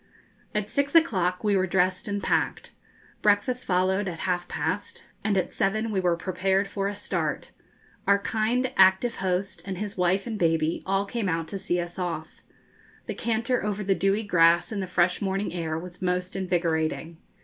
At six o'clock we were dressed and packed. Breakfast followed at half past, and at seven we were prepared for a start. Our kind, active host, and his wife and baby, all came out to see us off. The canter over the dewy grass, in the fresh morning air, was most invigorating.